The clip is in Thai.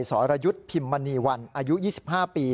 สรยุทธ์พิมมณีวันอายุ๒๕ปี